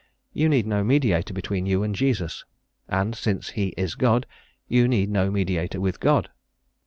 You need no mediator between you and Jesus; and, since he is God, you need no mediator with God.